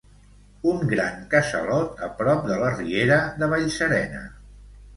un gran casalot a prop de la riera de Vallserena